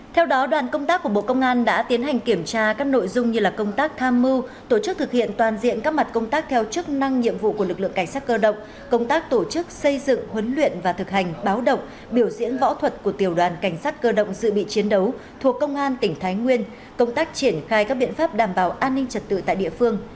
theo đó đoàn công tác của bộ công an đã tiến hành kiểm tra các nội dung như công tác tham mưu tổ chức thực hiện toàn diện các mặt công tác theo chức năng nhiệm vụ của lực lượng cảnh sát cơ động công tác tổ chức xây dựng huấn luyện và thực hành báo động biểu diễn võ thuật của tiểu đoàn cảnh sát cơ động dự bị chiến đấu thuộc công an tỉnh thái nguyên công tác triển khai các biện pháp đảm bảo an ninh trật tự tại địa phương